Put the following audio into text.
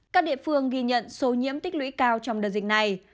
các địa phương ghi nhận số nhiễm tích lũy cao trong đợt dịch này